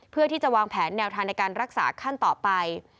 เพื่อที่จะวางแผนแนวทางในการรักษาขั้นต่อไป